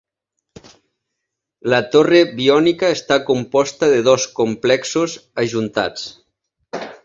La Torre Biònica està composta de dos complexos ajuntats.